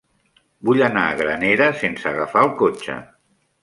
Vull anar a Granera sense agafar el cotxe.